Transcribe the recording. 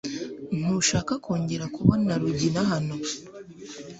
Ntushaka kongera kubona Rugina hano ?